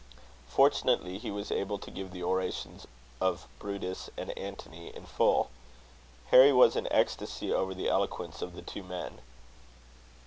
Fortunately, he was able to give the orations of Brutus and Antony in full. Harry was in ecstasy over the eloquence of the two men.